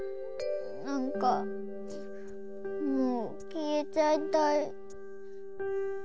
なんかもうきえちゃいたい。